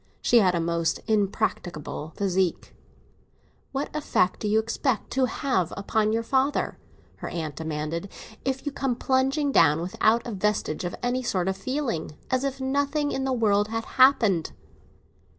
She had a most impracticable physique. "What effect do you expect to have upon your father," her aunt demanded, "if you come plumping down, without a vestige of any sort of feeling, as if nothing in the world had happened?"